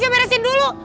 jangan beresin dulu